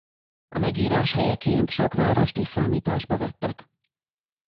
A megírás helyeként sok várost is számításba vettek.